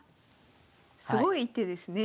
すごい一手ですね。